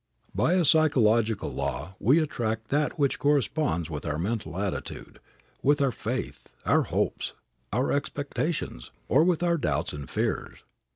By a psychological law we attract that which corresponds with our mental attitude, with our faith, our hopes, our expectations, or with our doubts and fears.